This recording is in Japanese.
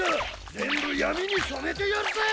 全部闇に染めてやるぜ！